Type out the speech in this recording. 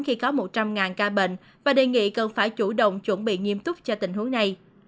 khi có một trăm linh ca bệnh và đề nghị cần phải chủ động chuẩn bị nghiêm túc cho tình huống này